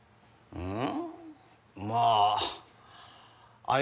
うん。